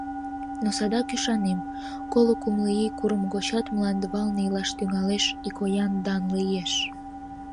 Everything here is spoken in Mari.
Но садак ӱшанем, Коло-кумло ий, курым гочат Мландывалне илаш тӱҥалеш Икоян данле еш.